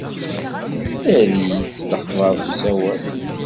Err-iyi-d s lexber s usawal.